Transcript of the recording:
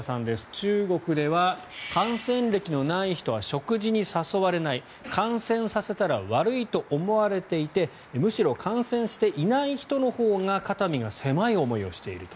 中国では感染歴のない人は食事に誘われない感染させたら悪いと思われていてむしろ感染していない人のほうが肩身が狭い思いをしていると。